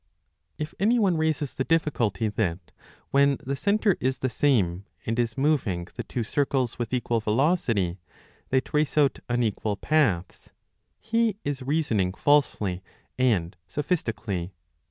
1 If any one raises the difficulty that, when the centre is the same and is moving the two circles with equal velocity, they trace out unequal paths, he is reasoning falsely and sophistically.